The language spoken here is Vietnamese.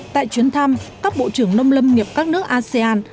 tại chuyến thăm các bộ trưởng nông lâm nghiệp các nước asean